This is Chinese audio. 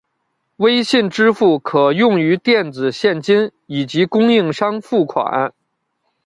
微信支付可用于电子现金以及供应商付款。